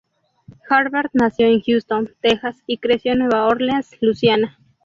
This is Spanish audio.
Harvard nació en Houston, Texas y creció en Nueva Orleans, Luisiana.